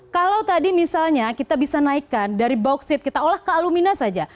kalau tadi misalnya kita bisa naikkan dari bauksit kita olah ke alumina saja